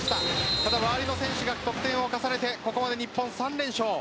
ただ、周りの選手が得点を重ねてここまで日本、３連勝。